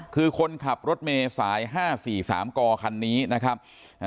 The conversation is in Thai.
คือคนขับรถเมย์สาย๕๔๓กคันนี้นะครับ